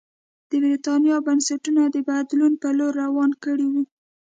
د برېټانیا بنسټونه د بدلون په لور روان کړي وو.